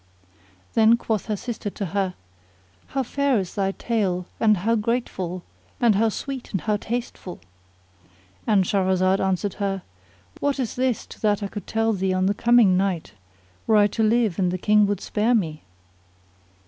[FN#48] Then quoth her sister to her, "How fair is thy tale, and how grateful, and how sweet and how tasteful!" And Shahrazad answered her, "What is this to that I could tell thee on the coming night, were I to live and the King would spare me?"